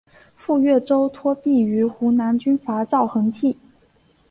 赴岳州托庇于湖南军阀赵恒惕。